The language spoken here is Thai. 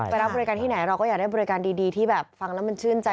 รับบริการที่ไหนเราก็อยากได้บริการดีที่แบบฟังแล้วมันชื่นใจ